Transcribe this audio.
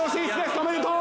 おめでとう！